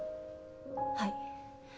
はい。